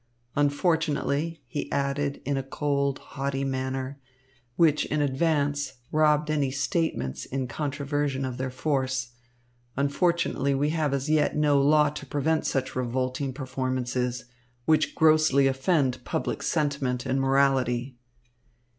Unfortunately," he added in a cold, haughty manner, which in advance robbed any statements in controversion of their force, "unfortunately we have as yet no law to prevent such revolting performances, which grossly offend public sentiment and morality."